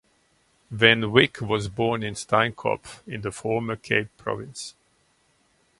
Van Wyk was born in Steinkopf in the former Cape Province.